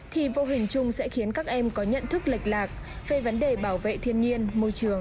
thì vô hình chung sẽ khiến các em có nhận thức lệch lạc về vấn đề bảo vệ thiên nhiên môi trường